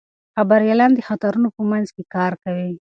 خبریالان د خطرونو په منځ کې کار کوي.